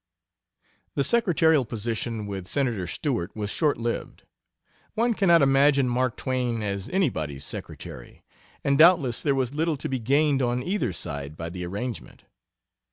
The secretarial position with Senator Stewart was short lived. One cannot imagine Mark Twain as anybody's secretary, and doubtless there was little to be gained on either side by the arrangement.